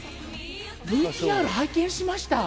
ＶＴＲ拝見しました。